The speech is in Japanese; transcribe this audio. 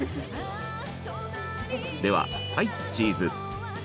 でははいチーズ！